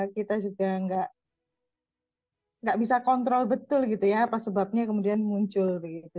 kita juga nggak bisa kontrol betul gitu ya apa sebabnya kemudian muncul begitu